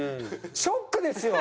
ショックですよ。